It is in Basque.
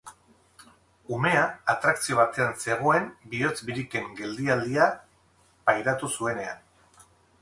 Umea atrakzio batean zegoen bihotz-biriken geldialdia pairatu zuenean.